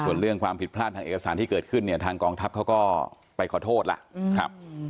ส่วนเรื่องความผิดพลาดทางเอกสารที่เกิดขึ้นเนี่ยทางกองทัพเขาก็ไปขอโทษล่ะครับ